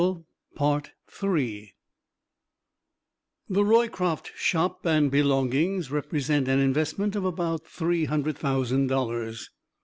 The Roycroft Shop and belongings represent an investment of about three hundred thousand dollars.